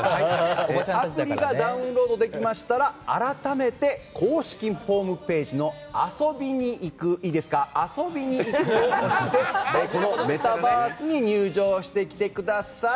アプリがダウンロードできましたら改めて、公式ホームページの「遊びに行く」を押してメタバースに入場してきてください。